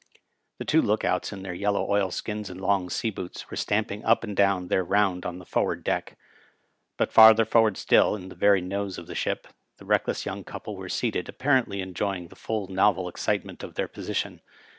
The two "look outs" in their yellow oilskins and long sea hoots were stamping up and down their round on the forward deck ; hut farther forward still, in the very nose of the ship, a reckless young couple were seated, apparently enjoying to the full the novel excitement of their position.